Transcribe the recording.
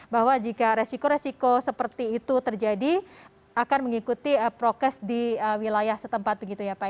bahwa jika resiko resiko seperti itu terjadi akan mengikuti prokes di wilayah setempat begitu ya pak